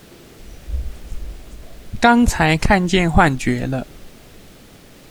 剛才看見幻覺了！